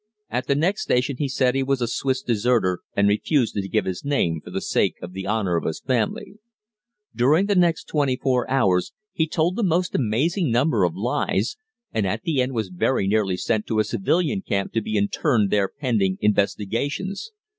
At the next station he said he was a Swiss deserter, and refused to give his name for the sake of the honor of his family. During the next twenty hours he told the most amazing number of lies, and at the end was very nearly sent to a civilian camp to be interned there pending investigations.